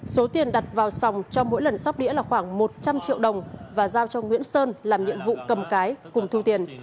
số tiền đặt vào sòng cho mỗi lần sắp đĩa là khoảng một trăm linh triệu đồng và giao cho nguyễn sơn làm nhiệm vụ cầm cái cùng thu tiền